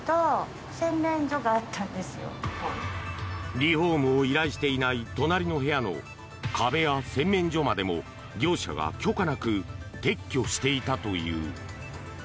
リフォームを依頼していない隣の部屋の壁や洗面所までも業者が許可なく撤去していたという。